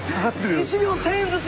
１秒１，０００円ずつ。